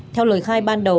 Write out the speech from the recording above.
theo lời khai ban đầu